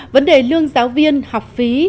vấn đề lương giáo viên học phí